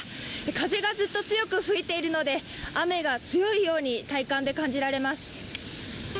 風がずっと強く吹いているので、雨が強いように体感で感じられます。